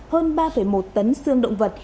hơn ba một tấn sương động vật